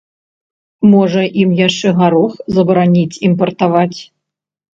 Можа, ім яшчэ гарох забараніць імпартаваць?